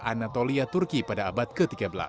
anatolia turki pada abad ke tiga belas